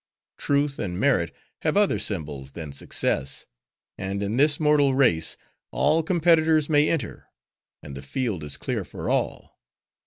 Truth and Merit have other symbols than success; and in this mortal race, all competitors may enter; and the field is clear for all.